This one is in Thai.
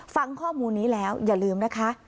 ฟังข้อมูลนี้แล้วอย่าลืมนะคะ